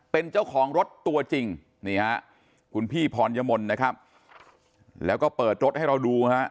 เป็นเจ้าของรถตัวจริงนี่ฮะคุณพี่พรยมนต์นะครับแล้วก็เปิดรถให้เราดูฮะ